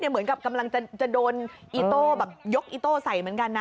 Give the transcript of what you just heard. เหมือนกับกำลังจะโดนอีโต้แบบยกอีโต้ใส่เหมือนกันนะ